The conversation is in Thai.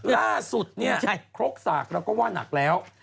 ล่าสุดโครคสากเราก็ว่านักแล้ว